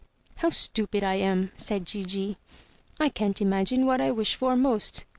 "How stupid I am,'' said Gigi, "I can't imagine what I wish for most.